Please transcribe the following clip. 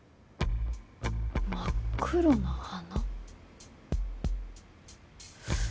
真っ黒な花？